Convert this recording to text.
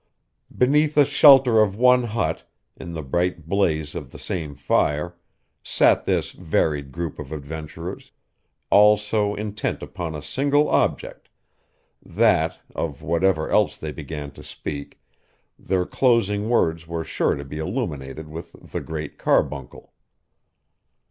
Beneath the shelter of one hut, in the bright blaze of the same fire, sat this varied group of adventurers, all so intent upon a single object, that, of whatever else they began to speak, their closing words were sure to be illuminated with the Great Carbuncle.